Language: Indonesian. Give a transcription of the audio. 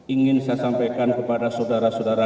ingin saya sampaikan kepada saudara saudara